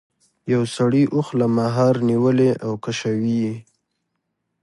یو سړي اوښ له مهار نیولی او کشوي یې.